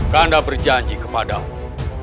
kanda berjanji kepadamu